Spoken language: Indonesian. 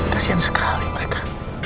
kasian sekali mereka